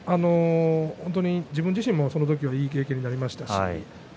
自分自身もその時はいい経験になりました。